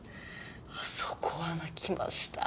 あそこは泣きました！